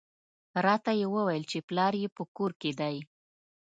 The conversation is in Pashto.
راته یې وویل چې پلار یې په کور کې دی.